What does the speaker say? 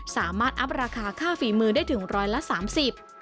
สามารถอัพราคาค่าฝีมือได้ถึง๑๓๐บาท